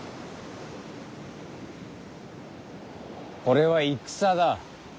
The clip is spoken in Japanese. これは戦だ。